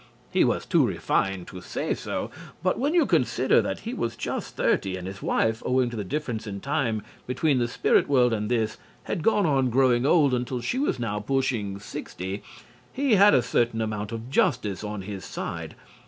He was too refined to say so, but when you consider that he was just thirty, and his wife, owing to the difference in time between the spirit world and this, had gone on growing old until she was now pushing sixty, he had a certain amount of justice on his side.